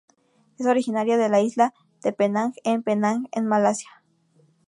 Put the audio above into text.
Es originaria de la isla de Penang en Penang en Malasia.